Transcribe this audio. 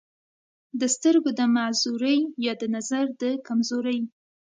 دَسترګو دَمعذورۍ يا دَنظر دَکمزورۍ